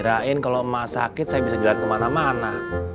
kirain kalau emak sakit saya bisa jalan kemana mana